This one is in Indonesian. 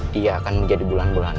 dia akan menjadi bulanan bulanan sel